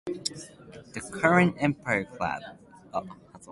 The current Empire Club of Canada President is Noble C. Chummar.